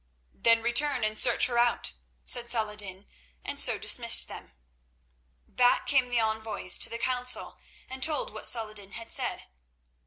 "Then return and search her out," said Saladin, and so dismissed them. Back came the envoys to the council and told what Saladin had said.